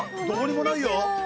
どこにもないよ！